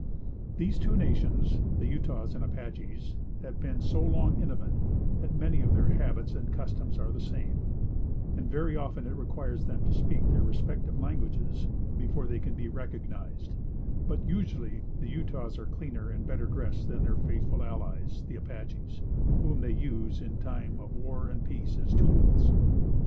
These two nations, the Utahs and Apaches, have been so long intimate, that many of their habits and customs are the same, and very often it requires them to speak their respective languages, before they can be recognized; but, usually, the Utahs are cleaner and better dressed than their faithful allies, the Apaches, whom they use, in time of peace and war, as tools.